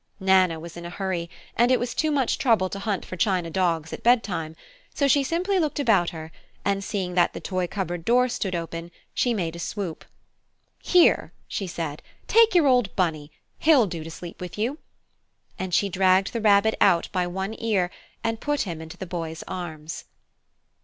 Nana was in a hurry, and it was too much trouble to hunt for china dogs at bedtime, so she simply looked about her, and seeing that the toy cupboard door stood open, she made a swoop. "Here," she said, "take your old Bunny! He'll do to sleep with you!" And she dragged the Rabbit out by one ear, and put him into the Boy's arms.